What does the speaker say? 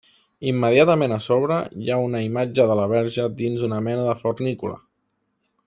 Immediatament a sobre hi ha una imatge de la Verge dins una mena de fornícula.